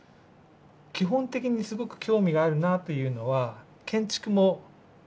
基本的にすごく興味があるなというのは建築も同じなんですね。